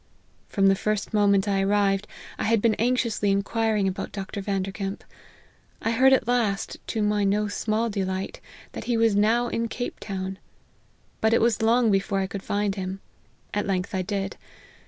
" From the first moment I arrived, I had been anxiously inquiring about Dr. Vanderkemp. I heard at last, to my no small delight, that he was now in Cape Town. But it was long before I could find him. At length I did.